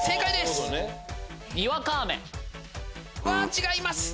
違います。